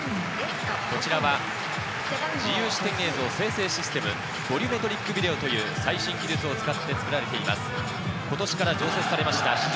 こちらは自由視点映像生成システム・ボリュメトリックビデオという最新技術を使って作られています。